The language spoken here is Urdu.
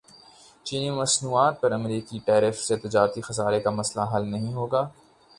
چینی مصنوعات پر امریکی ٹیرف سے تجارتی خسارے کا مسئلہ حل نہیں ہوگا